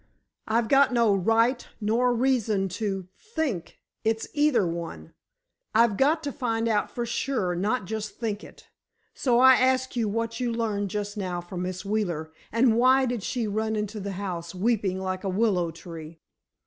"I've got no right nor reason to think it's either one. I've got to find out for sure, not just think it. So, I ask you what you learned just now from Miss Wheeler, and why did she run to the house, weeping like a willow tree?"